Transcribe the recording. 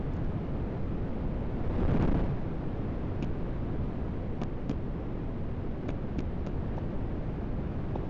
অস্বাভাবিক অনুরোধে হতবাক মহেশ সেই ফটো শ্যুট পরিচালনা করেন।